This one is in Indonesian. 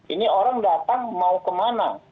ini orang datang mau ke mana